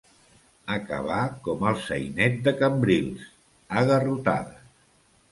Acabar com el sainet de Cambrils, a garrotades.